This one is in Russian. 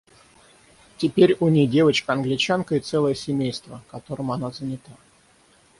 Теперь у ней девочка Англичанка и целое семейство, которым она занята.